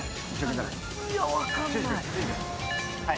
いや分かんない。